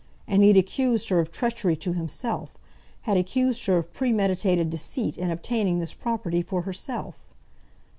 And he had accused her of treachery to himself, had accused her of premeditated deceit in obtaining this property for herself!